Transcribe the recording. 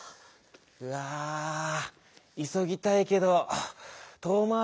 うわぁいそぎたいけどかなぁ。